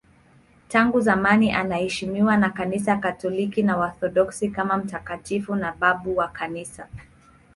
Tangu zamani anaheshimiwa na Kanisa Katoliki na Waorthodoksi kama mtakatifu na babu wa Kanisa.